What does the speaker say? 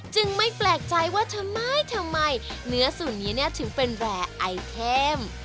ไม่แปลกใจว่าทำไมทำไมเนื้อสูตรนี้ถึงเป็นแรร์ไอเทม